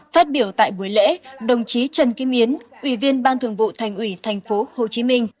phát biểu tại buổi lễ đồng chí trần kim yến ủy viên ban thường vụ thành ủy thành phố hồ chí minh